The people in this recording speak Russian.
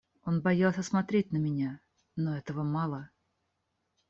Он боялся смотреть на меня, но этого мало...